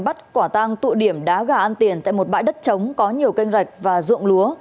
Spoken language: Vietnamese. bắt quả tang tụ điểm đá gà ăn tiền tại một bãi đất trống có nhiều kênh rạch và ruộng lúa